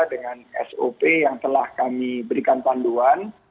dengan sop yang telah kami berikan panduan